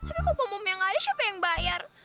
tapi kalau pom pomnya gak ada siapa yang bayar